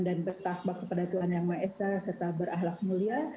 dan bertakba kepada tuhan yang maha esa serta berahlak mulia